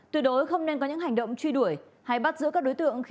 tuy đối không nên có những hành động truy đuổi hay bắt giữa các đối tượng